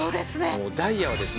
もうダイヤはですね